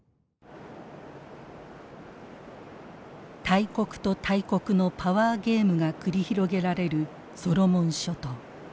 大国と大国のパワーゲームが繰り広げられるソロモン諸島。